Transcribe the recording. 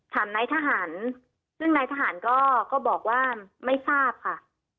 นายทหารซึ่งนายทหารก็บอกว่าไม่ทราบค่ะ